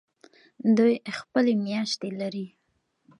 دوی خپلې میاشتې لري.